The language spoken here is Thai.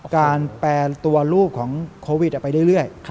แปรตัวลูกของโควิดไปเรื่อย